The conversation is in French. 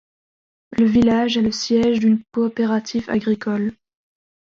Le village est le siège d'une coopérative agricole.